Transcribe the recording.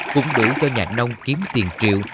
cũng đủ cho nhà nông kiếm tiền triệu